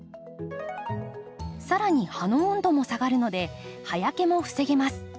更に葉の温度も下がるので葉焼けも防げます。